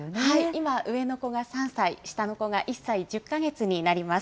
今、上の子が３歳、下の子が１歳１０か月になります。